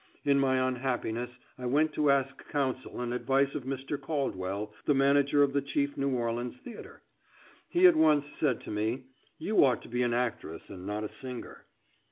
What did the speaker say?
In my unhappiness I went to ask counsel and advice of Mr. Caldwell, the manager of the chief New Orleans theatre, He at once said to me, "You ought to be an actress, and not a singer."